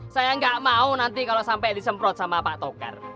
saya nggak mau nanti kalau sampai disemprot sama pak tokar